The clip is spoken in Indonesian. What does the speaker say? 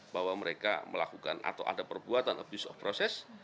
bahwa mereka melakukan atau ada perbuatan abuse of process